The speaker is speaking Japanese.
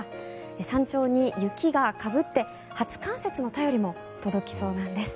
山頂に雪がかぶって初冠雪の便りも届きそうなんです。